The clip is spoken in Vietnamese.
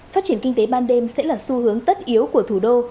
phát triển kinh tế ban đêm sẽ là xu hướng tất yếu của thủ đô